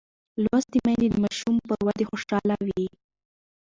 لوستې میندې د ماشوم پر ودې خوشحاله وي.